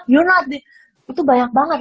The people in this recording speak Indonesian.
you not the itu banyak banget